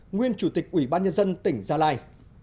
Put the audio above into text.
nguyên chủ tịch ủy ban nhân dân tỉnh gia lai